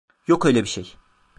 Yok öyle bir şey.